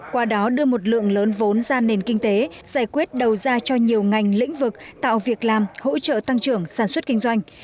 qua đó đưa một lượng lớn vốn ra nền kinh tế giải quyết đầu ra cho nhiều ngành lĩnh vực tạo việc làm hỗ trợ tăng trưởng sản xuất kinh doanh